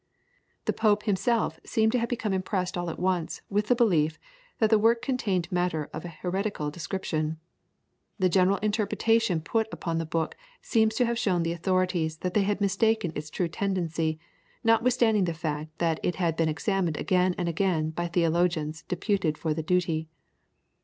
The Pope himself seemed to have become impressed all at once with the belief that the work contained matter of an heretical description. The general interpretation put upon the book seems to have shown the authorities that they had mistaken its true tendency, notwithstanding the fact that it had been examined again and again by theologians deputed for the duty.